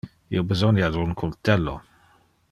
Io besonia de un cultello.